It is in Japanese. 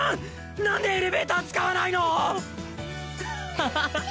なんでエレベーター使わないの⁉はははっ